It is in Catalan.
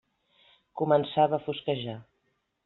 Començava a fosquejar.